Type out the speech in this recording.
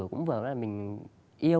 cũng vừa là mình yêu